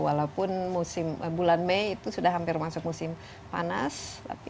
walaupun musim bulan mei itu sudah hampir masuk musim panas